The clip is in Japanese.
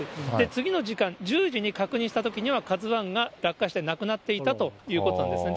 次の時間、１０時に確認したときにはＫＡＺＵＩが落下して、なくなっていたということなんですね。